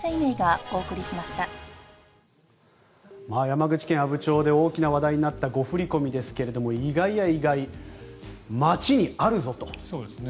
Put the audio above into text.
山口県阿武町で大きな話題になった誤振り込みですが意外や意外、街にあるぞと。